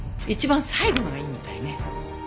一番最後のがいいみたいね。